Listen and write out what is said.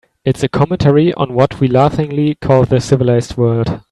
It's a commentary on what we laughingly call the civilized world.